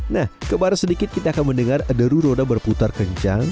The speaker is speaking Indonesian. nah kebar sedikit kita akan mendengar deru roda berputar kencang